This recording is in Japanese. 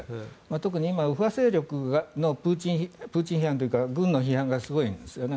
特に今、右派勢力のプーチン批判というか軍の批判がすごいんです。